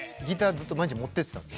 ずっと毎日持ってってたんで。